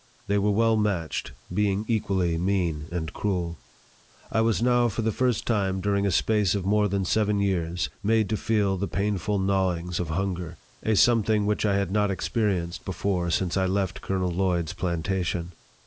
They were well matched, being equally mean and cruel. I was now, for the first time during a space of more than seven years, made to feel the painful gnawings of hunger a something which I had not experienced before since I left Colonel Lloyd's plantation.